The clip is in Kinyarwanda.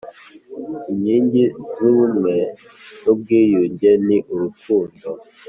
Inkingi z’ubumwe n’ubwiyunge ni urukundo